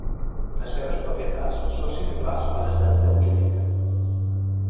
Les seves propietats són similars a les del déu Júpiter.